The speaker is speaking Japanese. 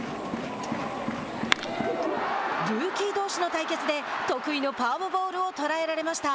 ルーキーどうしの対決で得意のパームボールを捉えられました。